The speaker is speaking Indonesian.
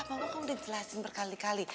mama kan udah jelasin berkali kali